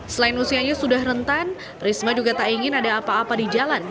selain usianya sudah rentan risma juga tak ingin ada apa apa di jalan